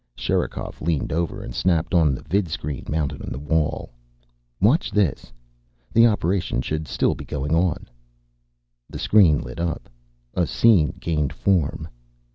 Sherikov leaned over and snapped on the vidscreen mounted in the wall. "Watch, this. The operation should still be going on." The screen lit up. A scene gained form.